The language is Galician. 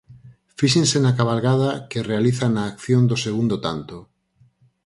Fíxense na cabalgada que realiza na acción do segundo tanto.